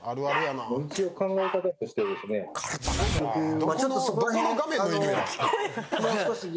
・一応考え方としてですね・会議中やろ。